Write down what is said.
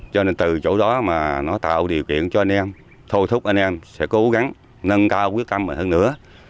cho nên từ chỗ đó mà nó tạo điều kiện cho anh em thôi thúc anh em sẽ cố gắng nâng cao quyết tâm hơn nữa